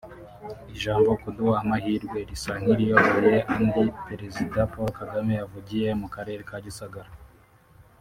Ijambo “kuduha amahirwe” risa n’iriyoboye andi Perezida Paul Kagame yavugiye mu karere ka Gisagara